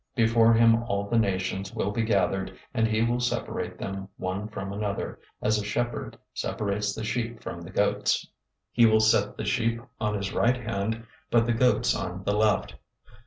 025:032 Before him all the nations will be gathered, and he will separate them one from another, as a shepherd separates the sheep from the goats. 025:033 He will set the sheep on his right hand, but the goats on the left.